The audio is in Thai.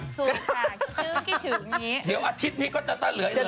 ครับชื่อคิดถึงอีกนี้เดี๋ยวอาทิตย์นี้ก็จะเหลืออย่างน้อย